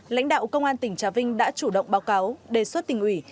lãnh đạo công an tỉnh trà vinh đã chủ động báo cáo đề xuất tỉnh ủy